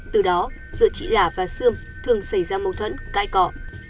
từ đó giữa chị là và sương thường xảy ra mâu thuẫn cãi cọ